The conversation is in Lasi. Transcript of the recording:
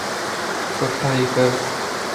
سٺائي ڪر